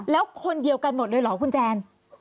แล้วคนเดียวกันหมดเลยเหรอคุณแจน